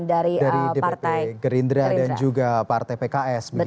dari dpp gerindra dan juga partai pks